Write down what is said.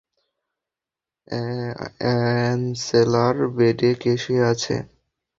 অ্যাঞ্জেলার বেডে কে শুয়ে আছে?